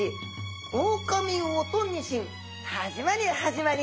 「オオカミウオとニシン」始まり始まり！